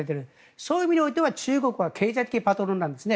そういう意味では中国は経済的なパトロンなんですね。